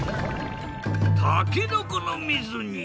たけのこの水煮！